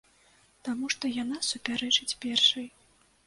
Таму што яна супярэчыць першай.